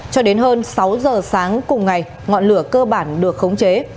cho đến hơn sáu giờ sáng cùng ngày ngọn lửa cơ bản được khống chế